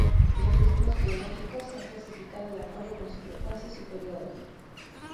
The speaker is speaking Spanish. Los ritmos biológicos se han clasificado de acuerdo con su frecuencia y su periodo.